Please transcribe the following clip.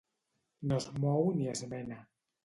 No es mou ni es mena.